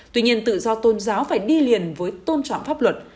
tuy nhiên tự do tôn giáo phải đi liền với tôn trọng pháp luật